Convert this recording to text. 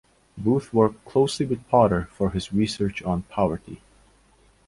Booth worked closely with Potter for his research on poverty.